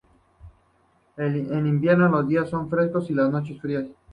En invierno, los días son frescos y las noches frías.